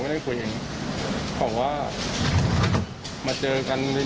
มีการฆ่ากันห้วย